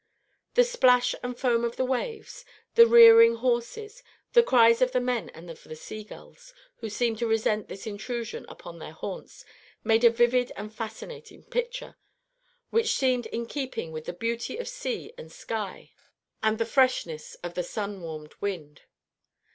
The splash and foam of the waves, the rearing horses, the cries of the men and of the seagulls, who seemed to resent this intrusion upon their haunts, made a vivid and fascinating picture, which seemed in keeping with the beauty of sea and sky and the freshness of the sun warmed wind.